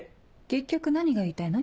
結局何が言いたいの？